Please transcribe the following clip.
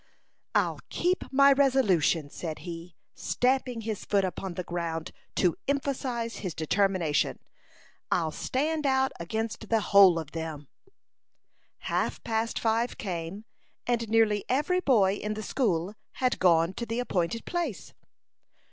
"I'll keep my resolution!" said he, stamping his foot upon the ground to emphasize his determination. "I'll stand out against the whole of them." Half past five came, and nearly every boy in the school had gone to the appointed place.